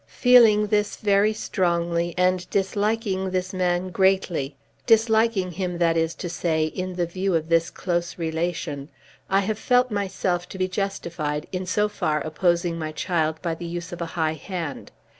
Feeling this very strongly, and disliking this man greatly, disliking him, that is to say, in the view of this close relation, I have felt myself to be justified in so far opposing my child by the use of a high hand.